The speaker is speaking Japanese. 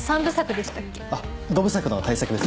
あっ５部作の大作です。